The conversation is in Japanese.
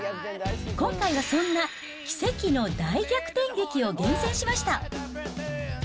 今回はそんな奇跡の大逆転劇を厳選しました。